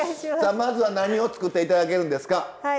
さあまずは何を作って頂けるんですか？